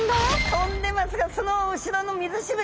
飛んでますがその後ろの水しぶき